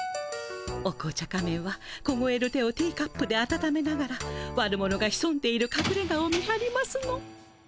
お紅茶仮面はこごえる手をティーカップで温めながら悪者がひそんでいるかくれがを見はりますの。